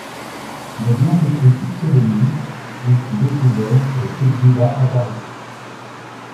Mais bien qu'écrit sous pseudonyme, il fut découvert et s'exila à Paris.